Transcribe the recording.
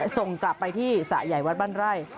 ส่งกลับไปที่สระใหญ่วัดบ้านไร่